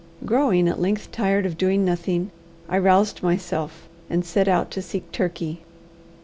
Growing at length tired of doing nothing, I roused myself, and set out to seek Turkey.